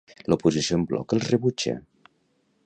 L'oposició en bloc els rebutja.